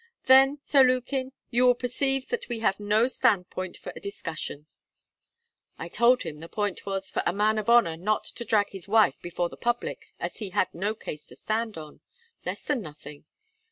"Then, Sir Lukin, you will perceive that we have no standpoint for a discussion." I told him the point was, for a man of honour not to drag his wife before the public, as he had no case to stand on less than nothing.